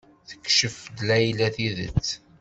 Tekcef-d Layla tidet.